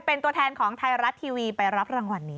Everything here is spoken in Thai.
เป็นตัวแทนของไทยรัฐทีวีไปรับรางวัลนี้